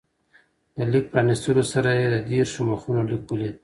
د لیک پرانستلو سره یې د دېرشو مخونو لیک ولید.